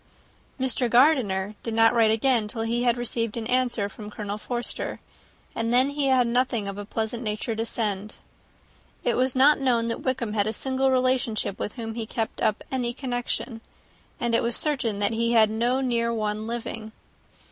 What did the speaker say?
Mr. Gardiner did not write again, till he had received an answer from Colonel Forster; and then he had nothing of a pleasant nature to send. It was not known that Wickham had a single relation with whom he kept up any connection, and it was certain that he had no near one living.